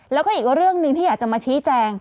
แล้วก็อีกเรื่องหนึ่งที่อยากจะมาชี้แจง